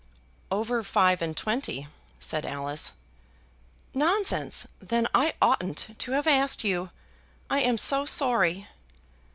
"Over five and twenty," said Alice. "Nonsense; then I oughtn't to have asked you. I am so sorry."